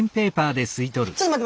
ちょっと待って。